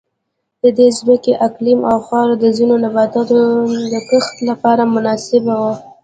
د دې ځمکې اقلیم او خاوره د ځینو نباتاتو د کښت لپاره مناسبه وه.